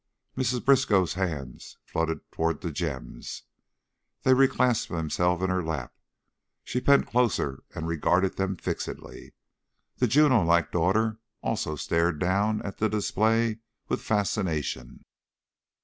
Ma Briskow's hands fluttered toward the gems, then reclasped themselves in her lap; she bent closer and regarded them fixedly. The Juno like daughter also stared down at the display with fascination.